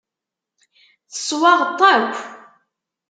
Teswaɣeḍ-t akk.